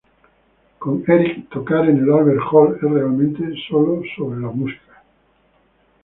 Con Eric, tocar en el Albert Hall... es realmente solo sobre la música.